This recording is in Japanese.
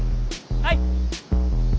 はい！